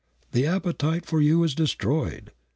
The appetite for you is destroyed.